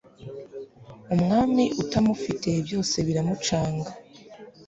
Umwami utamufite byose biramucanga